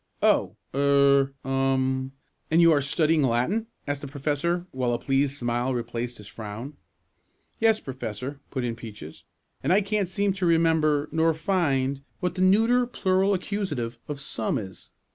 "Oh! er um and you are studying Latin?" asked the professor, while a pleased smile replaced his frown. "Yes, Professor," put in Peaches. "And I can't seem to remember, nor find, what the neuter plural accusative of 'some' is.